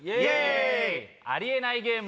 ありえないゲーム。